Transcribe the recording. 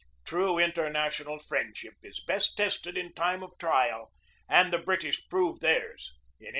True international friendship is best tested in time of trial, and the British proved theirs in 1898.